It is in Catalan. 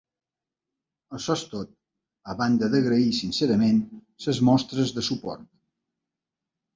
Això és tot, a banda d'agrair sincerament les mostres de suport.